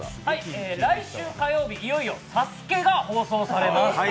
来週火曜日、いよいよ「ＳＡＳＵＫＥ」が放送されます。